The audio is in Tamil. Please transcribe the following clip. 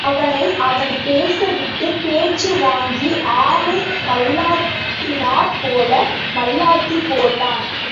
அவனை அவன் பேசிவிட்டுப் பேச்சு வாங்கி ஆமை மல்லாத்தினாற் போல மல்லாத்திப் போட்டான்.